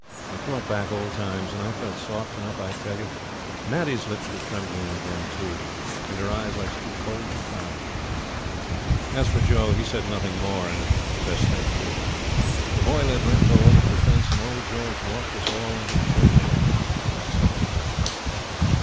It brought back old times, and I felt soft enough, I tell you. Maddie's lips were trembling again, too, and her eyes like two coals of fire. As for Joe, he said nothing more, and the best thing too. The boy led Rainbow over to the fence, and old George walked us all into the church, and that settled things.